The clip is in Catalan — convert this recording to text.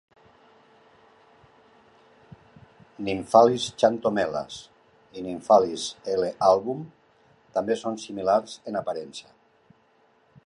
"Nymphalis xanthomelas" i "Nymphalis l-album" també són similars en aparença.